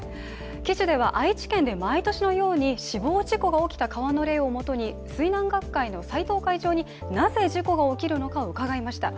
記事では、愛知県で毎年のように死亡事故が起きた川の霊をもとに水難学会の斎藤会長になぜ、事故が起こるのかを伺いました。